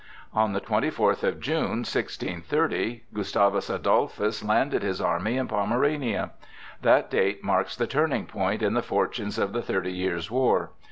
On the twenty fourth of June, 1630, Gustavus Adolphus landed his army in Pomerania. That date marks the turning point in the fortunes of the Thirty Years' War.